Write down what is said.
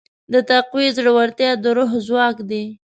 د تقوی زړورتیا د روح ځواک دی.